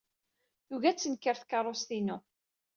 Tugi ad tenker tkeṛṛust-inu.